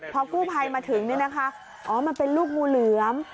พอกู้ภัยมาถึงนี่นะคะอ๋อมันเป็นลูกงูเหลือม